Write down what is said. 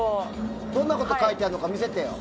どんなこと書いてあるのか見せてよ。